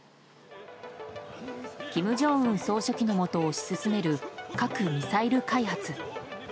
金正恩総書記のもと推し進める核・ミサイル開発。